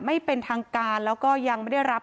ไม่เป็นทางการแล้วก็ยังไม่ได้รับ